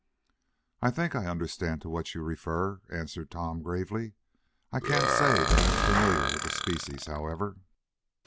"I think I understand to what you refer," answered Tom gravely. "I can't say that I am familiar with the species, however."